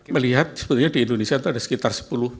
melihat sebetulnya di indonesia itu ada sekitar sepuluh